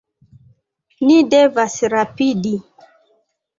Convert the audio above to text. Ni devas rapidi!